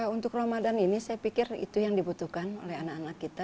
untuk ramadan ini saya pikir itu yang dibutuhkan oleh anak anak kita